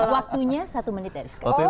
waktunya satu menit dari sekolah